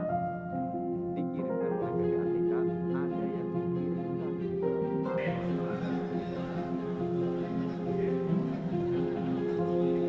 dikirimkan ke ppatk kemana